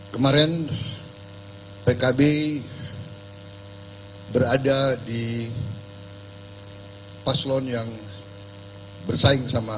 kemarin pkb berada di paslon yang bersaing sama